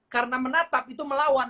karena menatap itu melawan